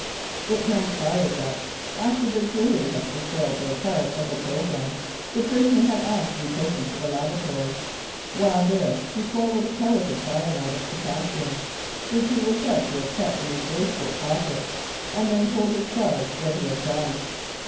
It 92 1898 1902. Lethbridge and Macleod transpired that, after the jury had fulfilled their part of the programme, the prisoner asked to be taken to the lavatory. While there he swallowed a pellet of cyanide of potassium, which he was said to have kept in 'his waistcoat pocket, and then told his guard what he had done.